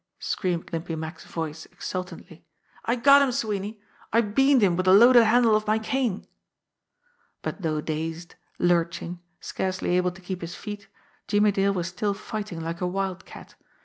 screamed Limpy Mack's voice exultantly. "I got him, Sweeney ! I beaned him with the loaded handle of my cane." But though dazed, lurching, scarcely able to keep his feet, Jimmie Dale was still fighting like a wildcat.